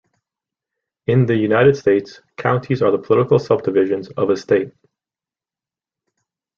In the United States, counties are the political subdivisions of a state.